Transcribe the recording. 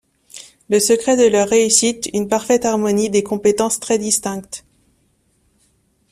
Le secret de leur réussite une parfaite harmonie, des compétences très distinctes.